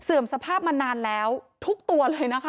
สภาพมานานแล้วทุกตัวเลยนะคะ